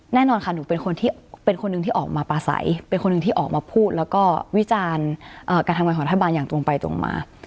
แน่นอนค่ะหนูเป็นคนที่เป็นคนหนึ่งที่ออกมาปลาใสเป็นคนหนึ่งที่ออกมาพูดแล้วก็วิจารณ์การทำงานของรัฐบาลอย่างตรงไปตรงมา